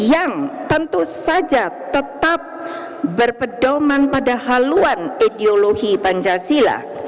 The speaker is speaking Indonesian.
dan yang terakhir kebijakan pembangunan harus tetap berpedoman pada haluan ideologi pancasila